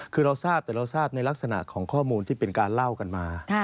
คือเราทราบแต่เราทราบในลักษณะของข้อมูลที่เป็นการเล่ากันมา